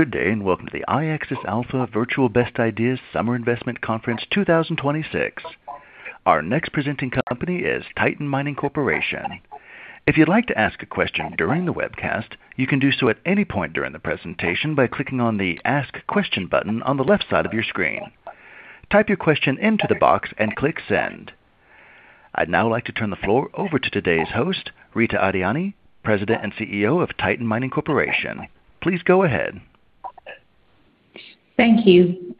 Good day, welcome to the iAccess Alpha Virtual Best Ideas Summer Investment Conference 2026. Our next presenting company is Titan Mining Corporation. If you'd like to ask a question during the webcast, you can do so at any point during the presentation by clicking on the Ask Question button on the left side of your screen. Type your question into the box and click Send. I'd now like to turn the floor over to today's host, Rita Adiani, President and CEO of Titan Mining Corporation. Please go ahead. Thank you,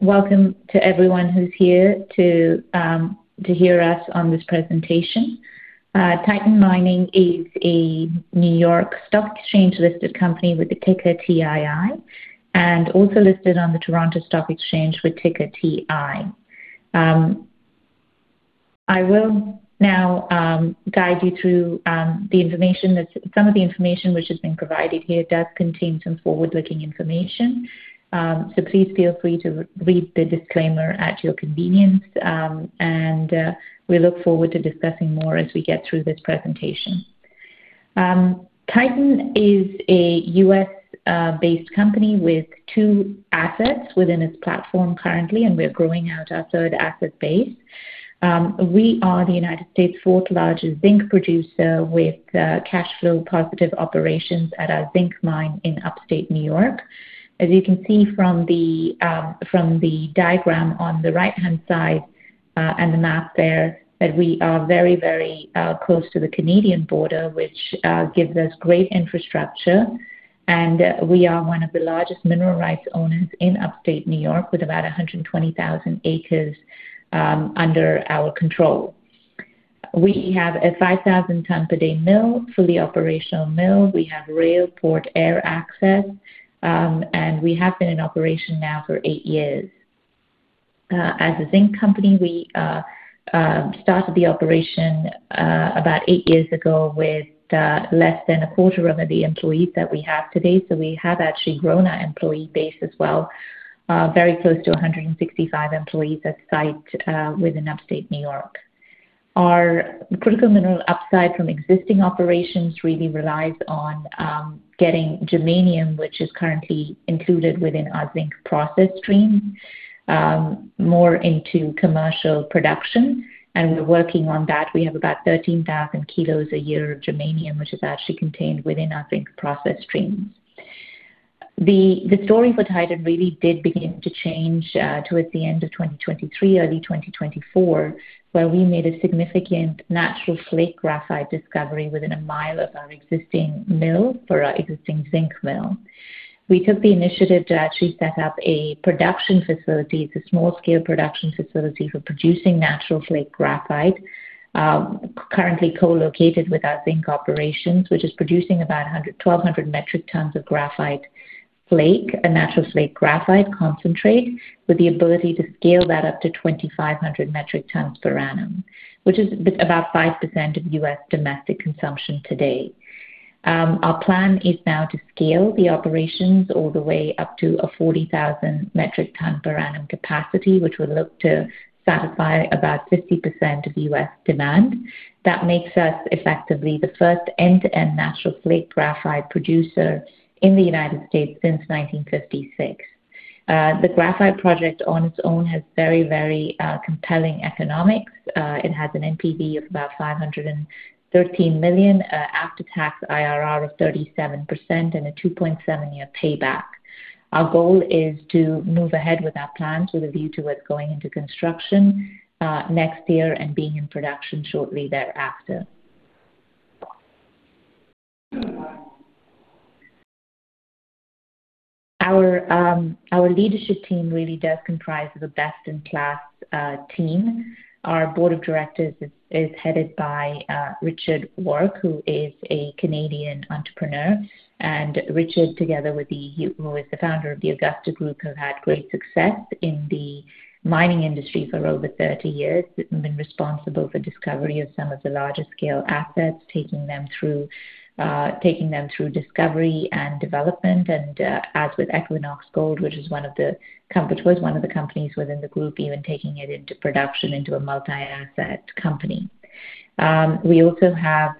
welcome to everyone who's here to hear us on this presentation. Titan Mining is a New York Stock Exchange-listed company with the ticker TII, also listed on the Toronto Stock Exchange with ticker TI. I will now guide you through the information. Some of the information which has been provided here does contain some forward-looking information. Please feel free to read the disclaimer at your convenience, we look forward to discussing more as we get through this presentation. Titan is a U.S.-based company with two assets within its platform currently, we're growing out our third asset base. We are the United State's fourth largest zinc producer with cash flow positive operations at our zinc mine in upstate New York. As you can see from the diagram on the right-hand side and the map there, that we are very close to the Canadian border, which gives us great infrastructure. We are one of the largest mineral rights owners in upstate New York, with about 120,000 acres under our control. We have a 5,000 ton per day mill, fully operational mill. We have rail, port, air access. We have been in operation now for eight years. As a zinc company, we started the operation about eight years ago with less than a quarter of the employees that we have today. We have actually grown our employee base as well, very close to 165 employees at site within upstate New York. Our critical mineral upside from existing operations really relies on getting germanium, which is currently included within our zinc process stream, more into commercial production, we're working on that. We have about 13,000 kg a year of germanium, which is actually contained within our zinc process streams. The story for Titan really did begin to change towards the end of 2023, early 2024, where we made a significant natural flake graphite discovery within a mile of our existing mill for our existing zinc mill. We took the initiative to actually set up a production facility. It's a small-scale production facility for producing natural flake graphite. Currently co-located with our zinc operations, which is producing about 1,200 metric tons of graphite flake and natural flake graphite concentrate, with the ability to scale that up to 2,500 metric tons per annum, which is about 5% of U.S. domestic consumption today. Our plan is now to scale the operations all the way up to a 40,000 metric ton per annum capacity, which will look to satisfy about 50% of U.S. demand. That makes us effectively the first end-to-end natural flake graphite producer in the United States since 1956. The graphite project on its own has very compelling economics. It has an NPV of about 513 million, an after-tax IRR of 37%, and a 2.7-year payback. Our goal is to move ahead with our plans with a view towards going into construction next year and being in production shortly thereafter. Our leadership team really does comprise of a best-in-class team. Our board of directors is headed by Richard Warke, who is a Canadian entrepreneur. Richard, together with who is the founder of the Augusta Group, have had great success in the mining industry for over 30 years, and been responsible for discovery of some of the largest scale assets, taking them through discovery and development. As with Equinox Gold, which was one of the companies within the group, even taking it into production into a multi-asset company. We also have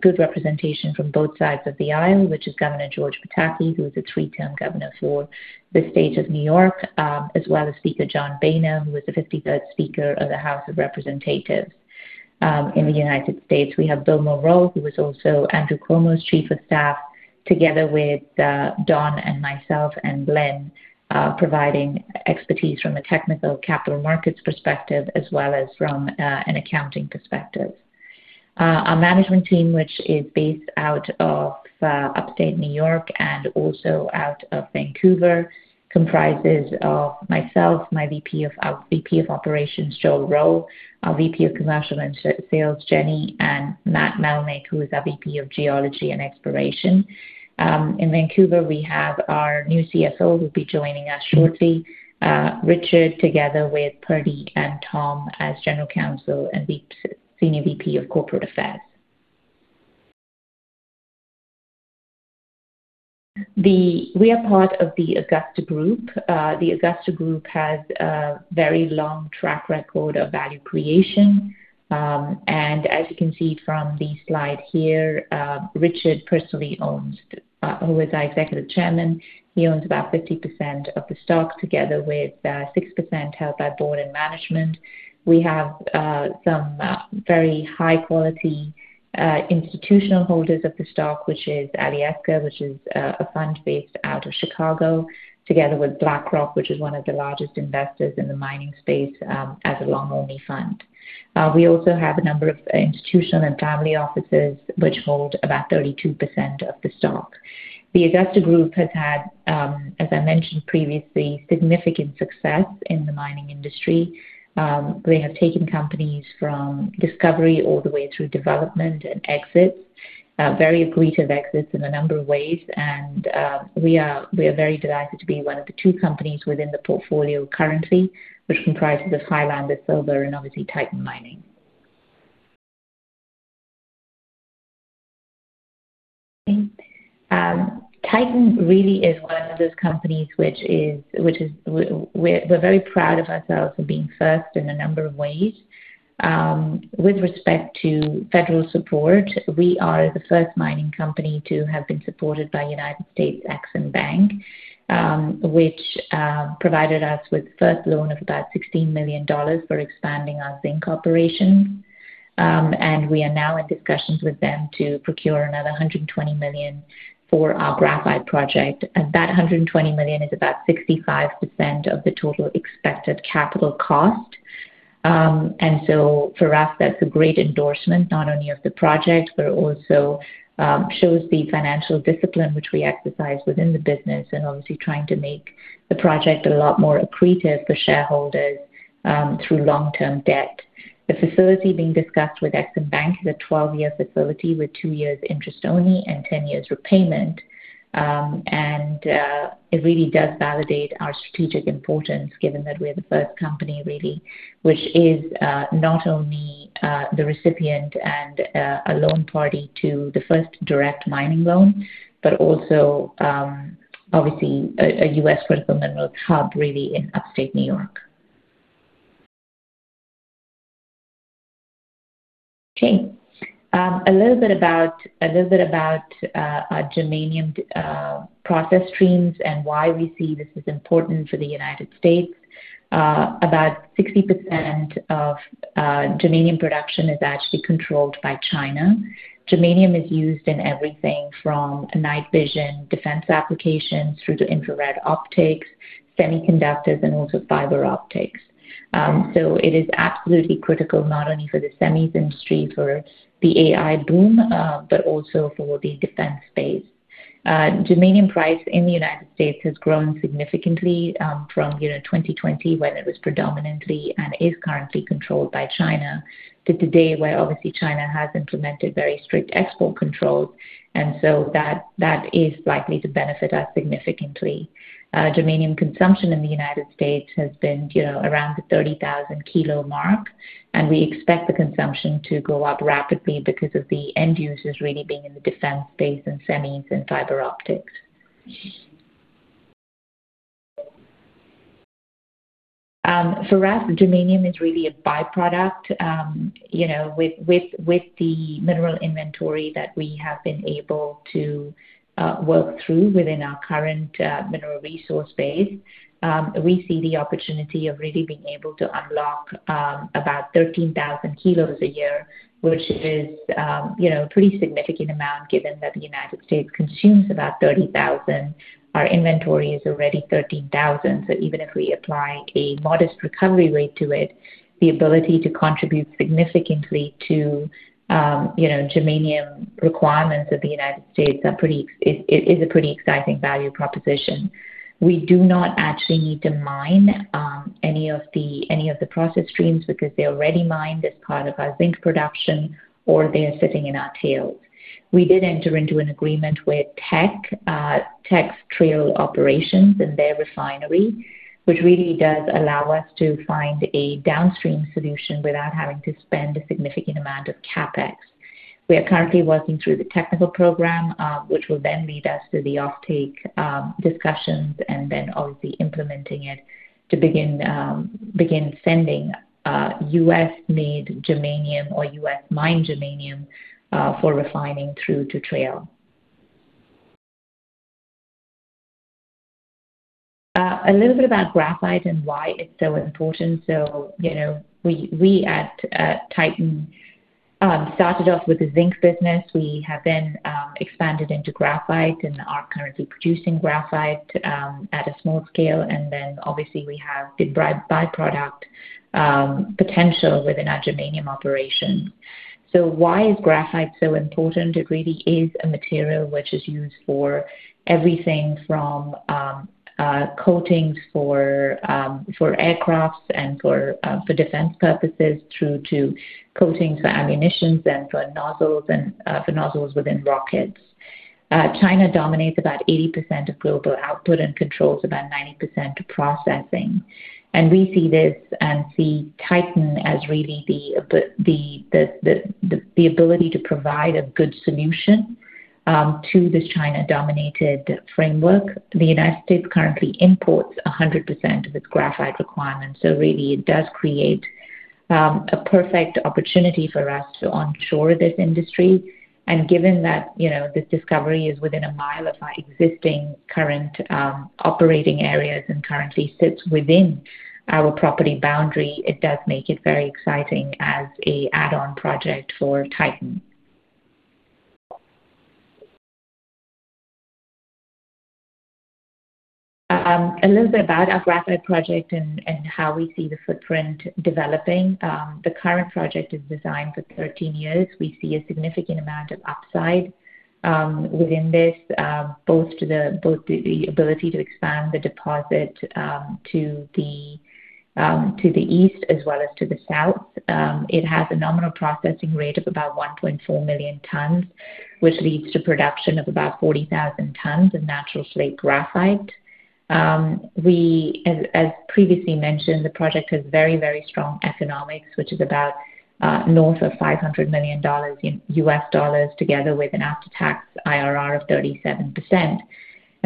good representation from both sides of the aisle, which is Governor George Pataki, who is a three-term Governor for the State of New York, as well as Speaker John Boehner, who was the 53rd Speaker of the House of Representatives. In the United States, we have Bill Mulrow, who was also Andrew Cuomo's Chief of Staff, together with Don and myself and Glenn, providing expertise from a technical capital markets perspective as well as from an accounting perspective. Our management team, which is based out of upstate New York and also out of Vancouver, comprises of myself, my VP of Operations, Joel Rheault, our VP of Commercial and Sales, Jenny, and Matt Melnyk, who is our VP of Geology and Exploration. In Vancouver, we have our new CSO, who'll be joining us shortly. Richard, together with Parikh and Tom as General Counsel and Senior VP of Corporate Affairs. We are part of the Augusta Group. The Augusta Group has a very long track record of value creation. As you can see from the slide here, Richard personally owns, who is our Executive Chairman, he owns about 50% of the stock, together with 6% held by board and management. We have some very high-quality institutional holders of the stock, which is Alyeska, which is a fund based out of Chicago, together with BlackRock, which is one of the largest investors in the mining space as a long-only fund. We also have a number of institutional and family offices which hold about 32% of the stock. The Augusta Group has had, as I mentioned previously, significant success in the mining industry. We have taken companies from discovery all the way through development and exits. Very accretive exits in a number of ways, and we are very delighted to be one of the two companies within the portfolio currently, which comprises of Highland Copper and obviously Titan Mining. Titan really is one of those companies which we're very proud of ourselves for being first in a number of ways. With respect to federal support, we are the first mining company to have been supported by United States EXIM Bank, which provided us with the first loan of about 16 million dollars for expanding our zinc operations. We are now in discussions with them to procure another 120 million for our graphite project. That 120 million is about 65% of the total expected capital cost. For us, that's a great endorsement, not only of the project, but it also shows the financial discipline which we exercise within the business and obviously trying to make the project a lot more accretive for shareholders through long-term debt. The facility being discussed with EXIM Bank is a 12-year facility with two years interest only and 10 years repayment. It really does validate our strategic importance given that we're the first company really, which is not only the recipient and a loan party to the first direct mining loan, but also, obviously, a U.S. critical minerals hub really in upstate New York. Okay. A little bit about our germanium process streams and why we see this is important for the United States. About 60% of germanium production is actually controlled by China. Germanium is used in everything from night vision defense applications through to infrared optics, semiconductors, and also fiber optics. It is absolutely critical not only for the semis industry, for the AI boom, but also for the defense space. Germanium price in the United States has grown significantly from 2020, when it was predominantly and is currently controlled by China, to today, where obviously China has implemented very strict export controls. That is likely to benefit us significantly. Germanium consumption in the United States has been around the 30,000 kg mark, and we expect the consumption to go up rapidly because of the end users really being in the defense space and semis and fiber optics. For us, germanium is really a by-product. With the mineral inventory that we have been able to work through within our current mineral resource base, we see the opportunity of really being able to unlock about 13,000 kg a year, which is a pretty significant amount given that the United States consumes about 30,000. Our inventory is already 13,000, so even if we apply a modest recovery rate to it, the ability to contribute significantly to germanium requirements of the United States is a pretty exciting value proposition. We do not actually need to mine any of the process streams because they're already mined as part of our zinc production, or they are sitting in our tails. We did enter into an agreement with Teck's Trail operations and their refinery, which really does allow us to find a downstream solution without having to spend a significant amount of CapEx. We are currently working through the technical program, which will then lead us to the offtake discussions and then obviously implementing it to begin sending U.S.-made germanium or U.S.-mined germanium for refining through to Trail. A little bit about graphite and why it's so important. We at Titan started off with the zinc business. We have then expanded into graphite and are currently producing graphite at a small scale. Then obviously we have the byproduct potential within our germanium operation. Why is graphite so important? It really is a material which is used for everything from coatings for aircrafts and for defense purposes through to coatings for ammunitions and for nozzles within rockets. China dominates about 80% of global output and controls about 90% of processing. We see this and see Titan as really the ability to provide a good solution to this China-dominated framework. The United States currently imports 100% of its graphite requirements, so really it does create a perfect opportunity for us to onshore this industry. Given that this discovery is within a mile of our existing current operating areas and currently sits within our property boundary, it does make it very exciting as an add-on project for Titan. A little bit about our graphite project and how we see the footprint developing. The current project is designed for 13 years. We see a significant amount of upside within this. Both the ability to expand the deposit to the east as well as to the south. It has a nominal processing rate of about 1.4 million tons, which leads to production of about 40,000 tons of natural flake graphite. As previously mentioned, the project has very strong economics, which is about north of $500 million, together with an after-tax IRR of 37%.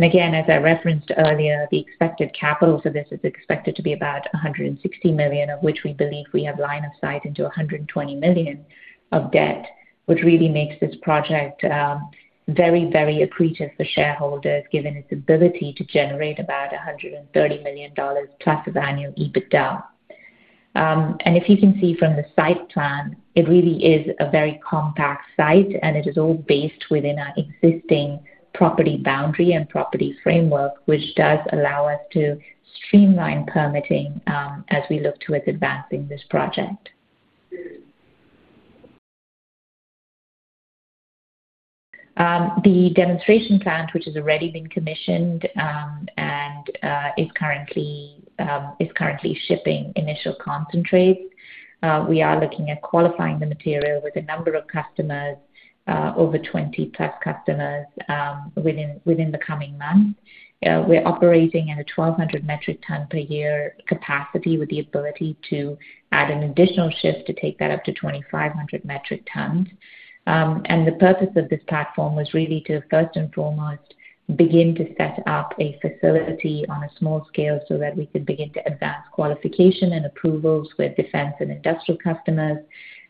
Again, as I referenced earlier, the expected capital for this is expected to be about 160 million, of which we believe we have line of sight into 120 million of debt, which really makes this project very accretive for shareholders, given its ability to generate about 130+ million dollars of annual EBITDA. If you can see from the site plan, it really is a very compact site, and it is all based within our existing property boundary and property framework, which does allow us to streamline permitting as we look towards advancing this project. The demonstration plant, which has already been commissioned and is currently shipping initial concentrates. We are looking at qualifying the material with a number of customers, over 20+ customers, within the coming months. We're operating at a 1,200 metric ton per year capacity with the ability to add an additional shift to take that up to 2,500 metric tons. The purpose of this platform was really to first and foremost begin to set up a facility on a small scale so that we could begin to advance qualification and approvals with defense and industrial customers,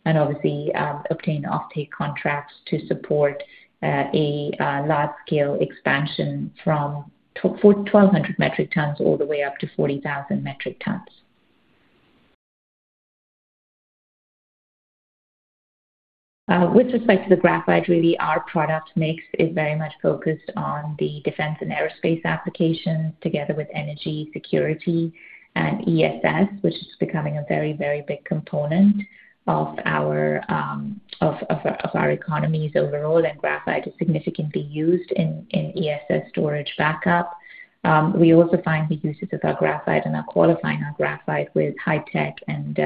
and obviously obtain offtake contracts to support a large-scale expansion from 1,200 metric tons all the way up to 40,000 metric tons. With respect to the graphite really, our product mix is very much focused on the defense and aerospace applications together with energy security and ESS, which is becoming a very big component of our economy's overall, and graphite is significantly used in ESS storage backup. We also find the usage of our graphite and are qualifying our graphite with high tech and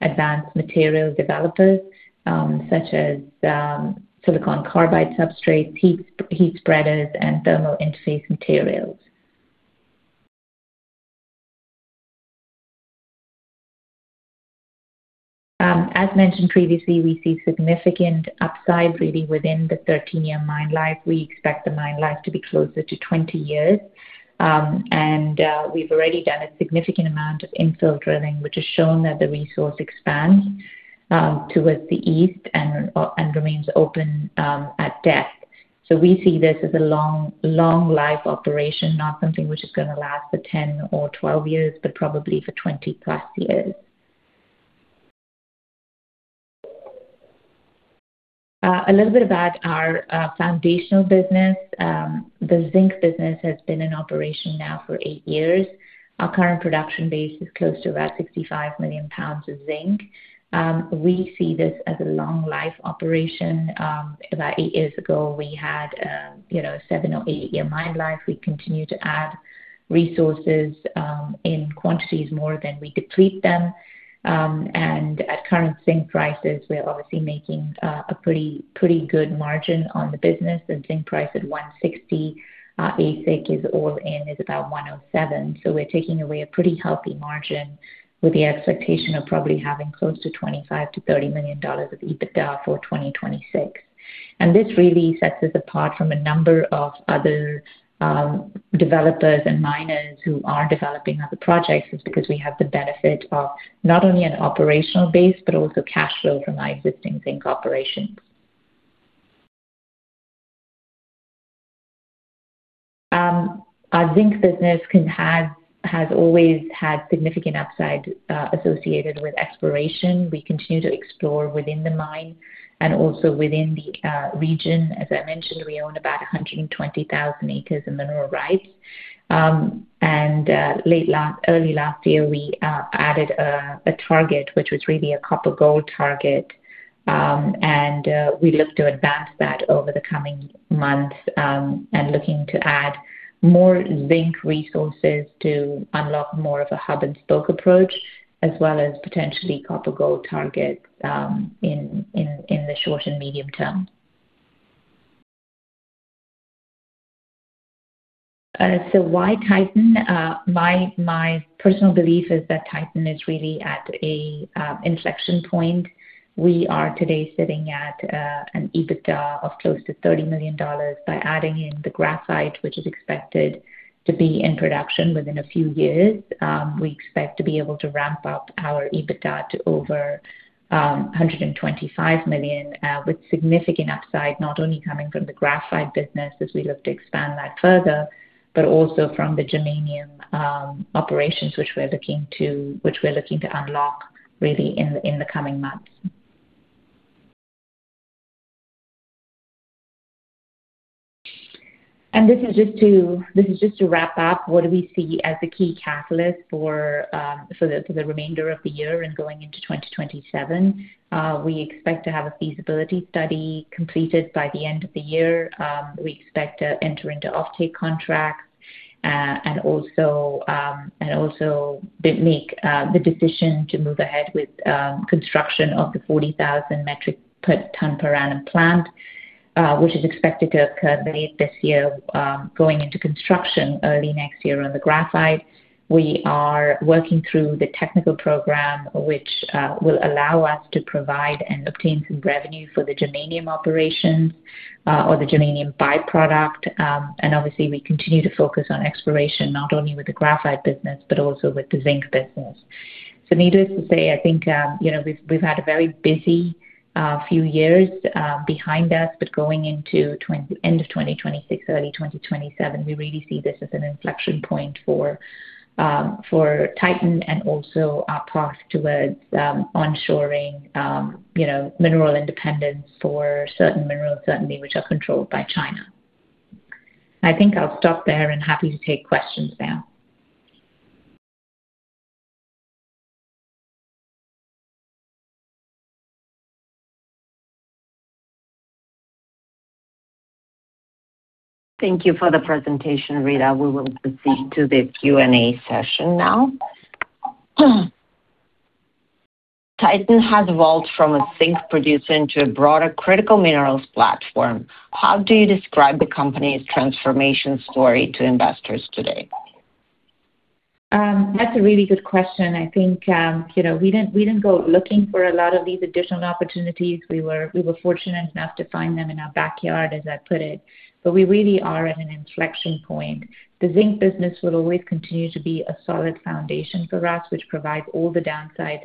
advanced material developers, such as silicon carbide substrates, heat spreaders, and thermal interface materials. As mentioned previously, we see significant upside really within the 13-year mine life. We expect the mine life to be closer to 20 years. We've already done a significant amount of infill drilling, which has shown that the resource expands towards the east and remains open at depth. We see this as a long life operation, not something which is going to last for 10 or 12 years, but probably for 20+ years. A little bit about our foundational business. The zinc business has been in operation now for eight years. Our current production base is close to about 65 million pounds of zinc. We see this as a long life operation. About eight years ago, we had a seven or eight-year mine life. We continue to add resources in quantities more than we could treat them. At current zinc prices, we're obviously making a pretty good margin on the business. The zinc price at 160, AISC all in is about 107. We're taking away a pretty healthy margin with the expectation of probably having close to 25 million-30 million dollars of EBITDA for 2026. This really sets us apart from a number of other developers and miners who are developing other projects is because we have the benefit of not only an operational base but also cash flow from our existing zinc operations. Our zinc business has always had significant upside associated with exploration. We continue to explore within the mine and also within the region. As I mentioned, we own about 120,000 acres of mineral rights. Early last year, we added a target, which was really a copper-gold target. We look to advance that over the coming months and looking to add more zinc resources to unlock more of a hub and spoke approach, as well as potentially copper-gold targets in the short and medium term. Why Titan? My personal belief is that Titan is really at an inflection point. We are today sitting at an EBITDA of close to 30 million dollars by adding in the graphite, which is expected to be in production within a few years. We expect to be able to ramp up our EBITDA to over 125 million, with significant upside, not only coming from the graphite business as we look to expand that further, but also from the germanium operations which we're looking to unlock really in the coming months. This is just to wrap up what do we see as the key catalyst for the remainder of the year and going into 2027. We expect to have a feasibility study completed by the end of the year. We expect to enter into offtake contracts, and also make the decision to move ahead with construction of the 40,000 metric ton per annum plant, which is expected to occur late this year, going into construction early next year on the graphite. We are working through the technical program, which will allow us to provide and obtain some revenue for the germanium operations, or the germanium by-product. Obviously, we continue to focus on exploration, not only with the graphite business, but also with the zinc business. Needless to say, I think we've had a very busy few years behind us, but going into end of 2026, early 2027, we really see this as an inflection point for Titan and also our path towards onshoring mineral independence for certain minerals, certainly, which are controlled by China. I think I'll stop there and happy to take questions now. Thank you for the presentation, Rita. We will proceed to the Q&A session now. Titan has evolved from a zinc producer into a broader critical minerals platform. How do you describe the company's transformation story to investors today? That's a really good question. I think we didn't go looking for a lot of these additional opportunities. We were fortunate enough to find them in our backyard, as I put it. We really are at an inflection point. The zinc business will always continue to be a solid foundation for us, which provides all the downside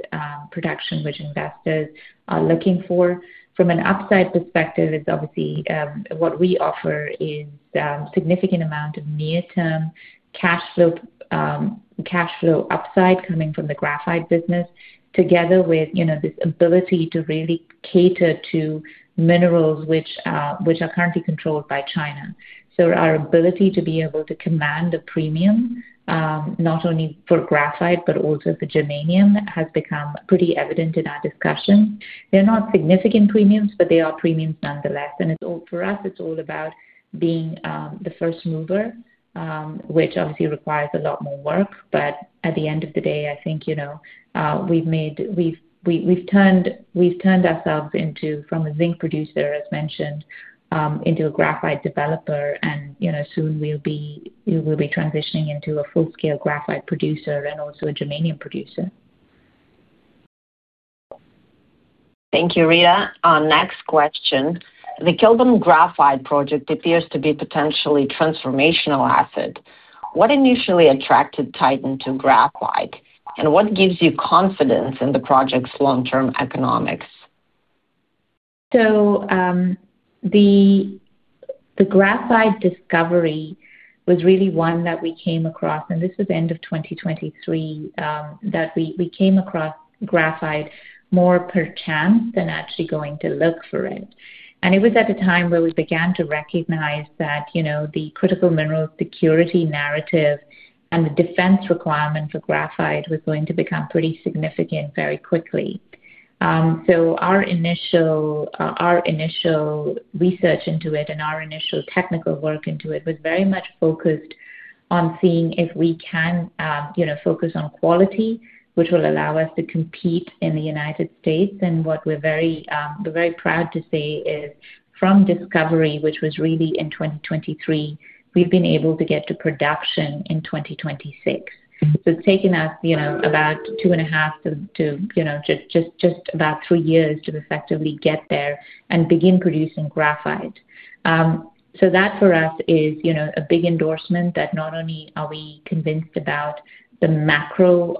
protection which investors are looking for. From an upside perspective, it's obviously what we offer is significant amount of near-term cash flow upside coming from the graphite business together with this ability to really cater to minerals which are currently controlled by China. Our ability to be able to command a premium, not only for graphite but also for germanium, has become pretty evident in our discussions. They're not significant premiums, but they are premiums nonetheless. For us, it's all about being the first mover, which obviously requires a lot more work. At the end of the day, I think we've turned ourselves from a zinc producer, as mentioned, into a graphite developer, and soon we'll be transitioning into a full-scale graphite producer and also a germanium producer. Thank you, Rita. Our next question: The Kilbourne Graphite Project appears to be potentially transformational asset. What initially attracted Titan to graphite, and what gives you confidence in the project's long-term economics? The graphite discovery was really one that we came across, and this was end of 2023, that we came across graphite more perchance than actually going to look for it. It was at a time where we began to recognize that the critical mineral security narrative and the defense requirement for graphite was going to become pretty significant very quickly. Our initial research into it and our initial technical work into it was very much focused on seeing if we can focus on quality, which will allow us to compete in the United States. What we're very proud to say is from discovery, which was really in 2023, we've been able to get to production in 2026. It's taken us about 2.5 to just about three years to effectively get there and begin producing graphite. That for us is a big endorsement that not only are we convinced about the macro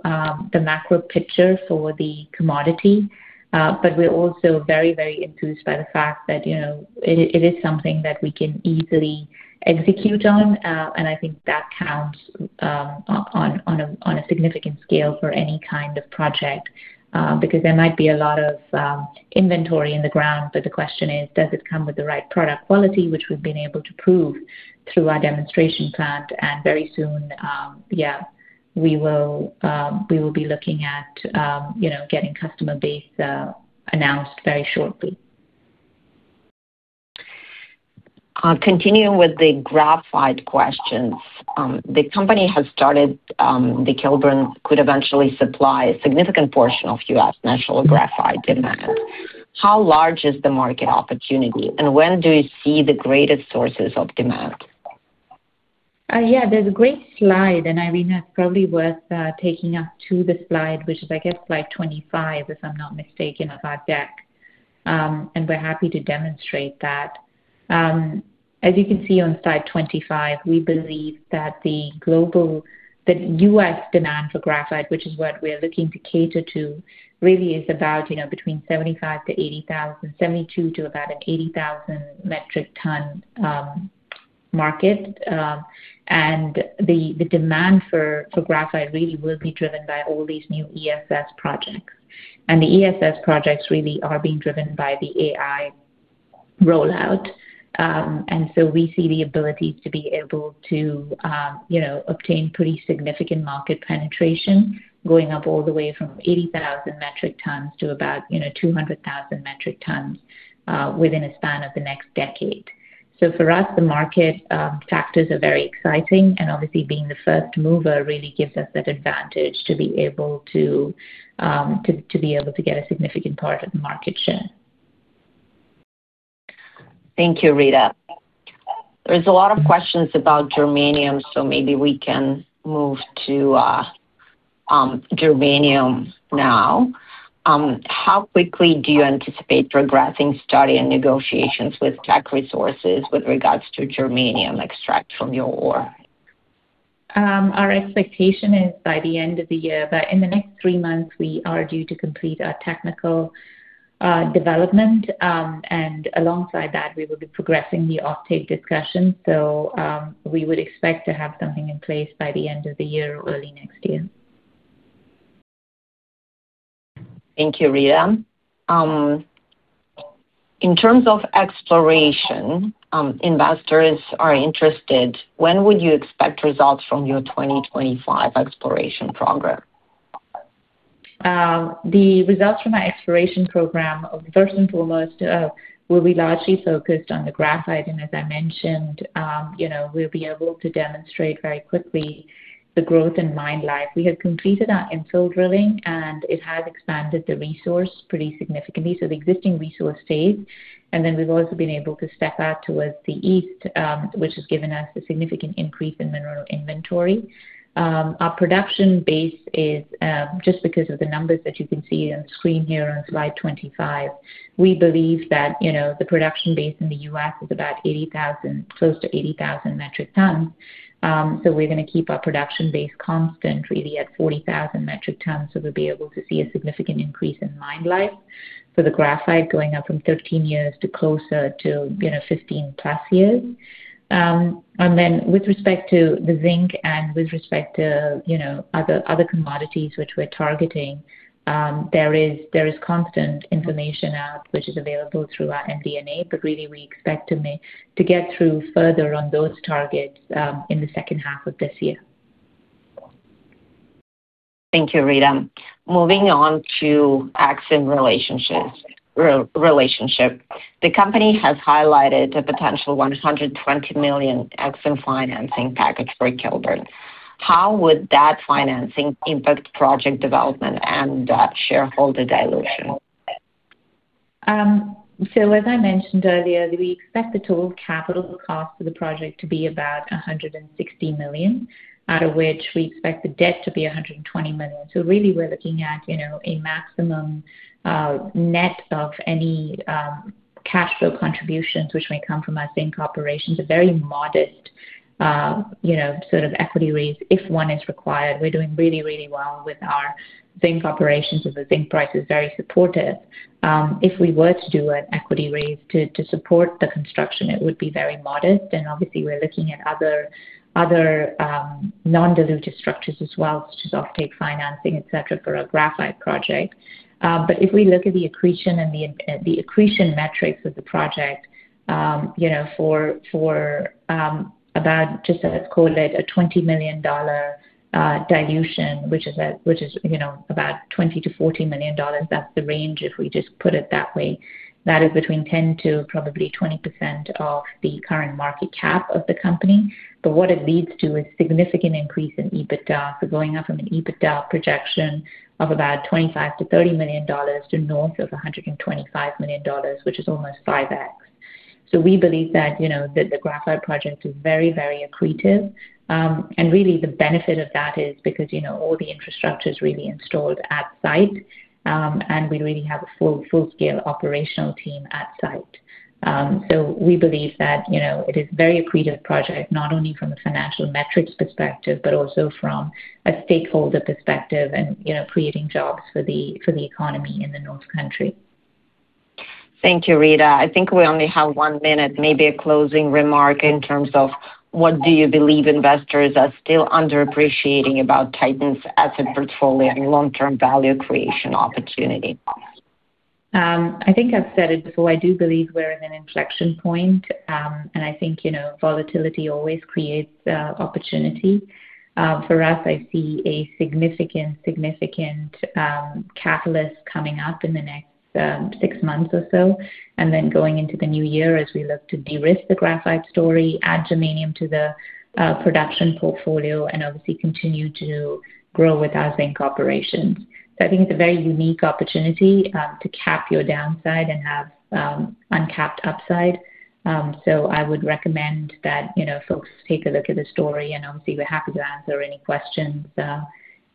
picture for the commodity, but we're also very, very enthused by the fact that it is something that we can easily execute on. I think that counts on a significant scale for any kind of project. There might be a lot of inventory in the ground, but the question is: Does it come with the right product quality? Which we've been able to prove through our demonstration plant, and very soon, yeah, we will be looking at getting customer base announced very shortly. Continuing with the graphite questions. The company has stated, the Kilbourne could eventually supply a significant portion of U.S. national graphite demand. How large is the market opportunity, and when do you see the greatest sources of demand? Yeah, there's a great slide, Irina, it's probably worth taking us to the slide, which is, I guess, slide 25, if I'm not mistaken, of our deck. We're happy to demonstrate that. As you can see on slide 25, we believe that the U.S. demand for graphite, which is what we're looking to cater to, really is about between 75,000-80,000, 72,000 to about an 80,000 metric ton market. The demand for graphite really will be driven by all these new ESS projects. The ESS projects really are being driven by the AI rollout. We see the ability to be able to obtain pretty significant market penetration going up all the way from 80,000 metric tons to about 200,000 metric tons within a span of the next decade. For us, the market factors are very exciting and obviously being the first mover really gives us that advantage to be able to get a significant part of the market share. Thank you, Rita. There's a lot of questions about germanium, maybe we can move to germanium now. How quickly do you anticipate progressing study and negotiations with Teck Resources with regards to germanium extract from your ore? Our expectation is by the end of the year. In the next three months, we are due to complete our technical development, and alongside that, we will be progressing the offtake discussion. We would expect to have something in place by the end of the year or early next year. Thank you, Rita. In terms of exploration, investors are interested, when would you expect results from your 2025 exploration program? The results from our exploration program, first and foremost, will be largely focused on the graphite. As I mentioned, we'll be able to demonstrate very quickly the growth in mine life. We have completed our infill drilling, and it has expanded the resource pretty significantly. The existing resource stays. We've also been able to step out towards the east, which has given us a significant increase in mineral inventory. Our production base is, just because of the numbers that you can see on screen here on slide 25, we believe that the production base in the U.S. is about 80,000, close to 80,000 metric tons. We're going to keep our production base constant, really at 40,000 metric tons. We'll be able to see a significant increase in mine life. The graphite going up from 13 years to closer to 15+ years. With respect to the zinc and with respect to other commodities which we're targeting, there is constant information out which is available through our MD&A. Really we expect to get through further on those targets in the second half of this year. Thank you, Rita. Moving on to EXIM relationship. The company has highlighted a potential $120 million EXIM financing package for Kilbourne. How would that financing impact project development and shareholder dilution? As I mentioned earlier, we expect the total capital cost of the project to be about 160 million, out of which we expect the debt to be 120 million. Really we're looking at a maximum net of any cash flow contributions which may come from our zinc operations. A very modest sort of equity raise if one is required. We're doing really well with our zinc operations as the zinc price is very supportive. If we were to do an equity raise to support the construction, it would be very modest. Obviously we're looking at other non-dilutive structures as well, such as offtake financing, et cetera, for our graphite project. If we look at the accretion metrics of the project for about just let's call it a 20 million dollar dilution, which is about 20 million-40 million dollars, that's the range if we just put it that way. That is between 10% to probably 20% of the current market cap of the company. What it leads to is significant increase in EBITDA. Going up from an EBITDA projection of about 25 million-30 million dollars to north of 125 million dollars, which is almost 5x. We believe that the graphite project is very accretive. Really the benefit of that is because all the infrastructure's really installed at site. We really have a full scale operational team at site. We believe that it is very accretive project, not only from a financial metrics perspective, but also from a stakeholder perspective and creating jobs for the economy in the north country. Thank you, Rita. I think we only have one minute, maybe a closing remark in terms of what do you believe investors are still underappreciating about Titan's asset portfolio and long-term value creation opportunity? I think I've said it before. I do believe we're in an inflection point. I think volatility always creates opportunity. For us, I see a significant catalyst coming up in the next six months or so, and then going into the new year as we look to de-risk the graphite story, add germanium to the production portfolio, and obviously continue to grow with our zinc operations. I think it's a very unique opportunity to cap your downside and have uncapped upside. I would recommend that folks take a look at the story, and obviously we're happy to answer any questions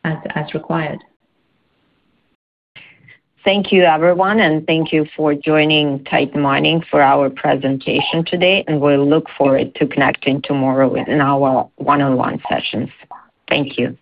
as required. Thank you, everyone, and thank you for joining Titan Mining Corporation for our presentation today, and we look forward to connecting tomorrow in our one-on-one sessions. Thank you.